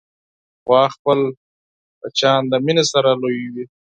غوا خپل بچیان د مینې سره لویوي.